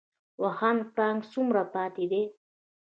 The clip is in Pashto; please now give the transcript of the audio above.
واخان پړانګ څومره پاتې دي؟